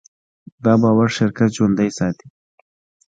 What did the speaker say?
دا باور شرکت ژوندی ساتي.